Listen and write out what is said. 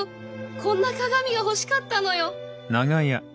こんな鏡が欲しかったのよ。